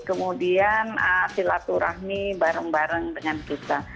kemudian silaturahmi bareng bareng